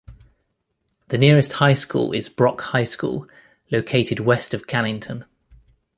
The nearest high school is Brock High School, located west of Cannington.